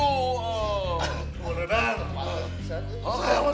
saya sudah tidak kuat